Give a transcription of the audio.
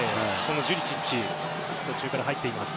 ジュリチッチが途中から入っています。